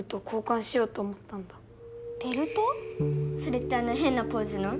それってあのヘンなポーズの？